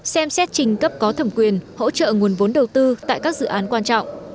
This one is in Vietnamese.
xem xét trình cấp có thẩm quyền hỗ trợ nguồn vốn đầu tư tại các dự án quan trọng